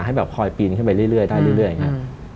ให้แบบคอยปีนขึ้นไปเรื่อยได้เรื่อยครับ